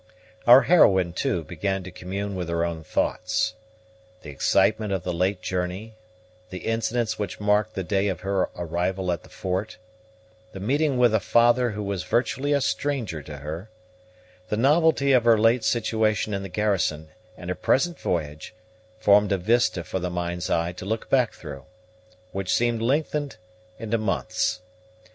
Our heroine, too, began to commune with her own thoughts. The excitement of the late journey, the incidents which marked the day of her arrival at the fort, the meeting with a father who was virtually a stranger to her, the novelty of her late situation in the garrison, and her present voyage, formed a vista for the mind's eye to look back through, which seemed lengthened into months.